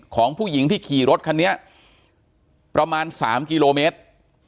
ของผู้หญิงที่ขี่รถคันนี้ประมาณ๓กิโลเมตร